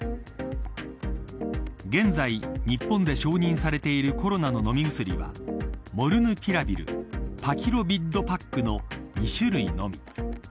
現在、日本で承認されているコロナ飲み薬はモルヌピラビルパキロビッドパックの２種類のみ。